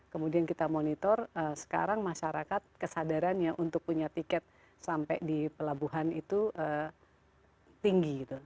kemudian kita monitor sekarang masyarakat kesadarannya untuk punya tiket sampai di pelabuhan itu tinggi gitu